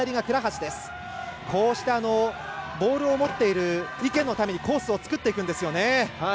ボールを持っている池のためにコースを作っていくんですよね。